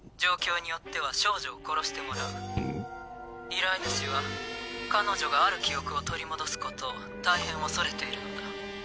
依頼主は彼女がある記憶を取り戻すことを大変恐れているのだ。